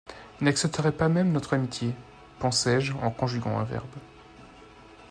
Il n’accepterait pas même notre amitié, pensais-je en conjuguant un verbe.